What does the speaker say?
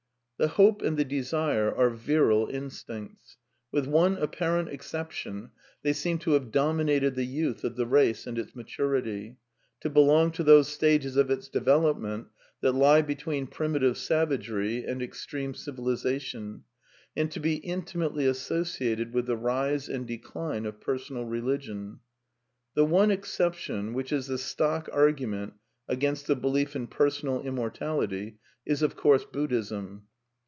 The hope and the desire are virile instincts. With one apparent exception, they seem to have dominated the youth of the race and its maturity ; to belong to those stages of its development that lie between primitive savagery and ex treme civilization ; and to be intimately associated with the rise and decline of personal religion. The one exception, which is the stock argument against the belief in personal immortality, is of course EudcQiism.